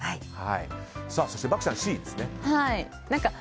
そして漠ちゃんＣですね。